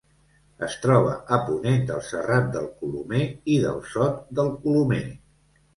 Es troba a ponent del Serrat del Colomer i del Sot del Colomer.